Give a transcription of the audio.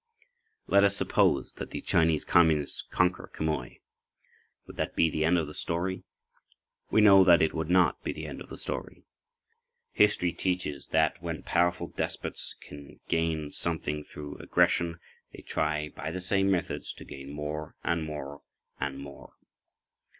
Let us suppose that the Chinese Communists conquer Quemoy. Would that be the end of the story? We know that it would not be the end of the story. History teaches that, when powerful despots can gain something through aggression, they try, by the same methods, to gain more and more and more.